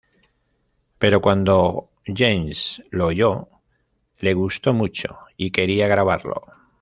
Pero cuando James lo oyó, le gustó mucho y quería grabarlo".